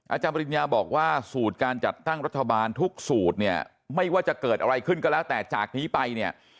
อาจารย์ปริญญาบอกว่าสูตรการจัดตั้งรัฐบาลทุกสูตรเนี่ยไม่ว่าจะเกิดอะไรขึ้นก็แล้วแต่จากนี้ไปเนี่ย